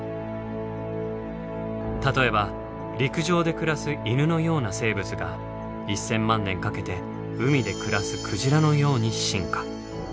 例えば陸上で暮らす犬のような生物が１，０００万年かけて海で暮らすクジラのように進化。